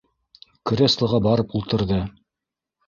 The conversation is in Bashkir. Креслоға барып ултырҙы.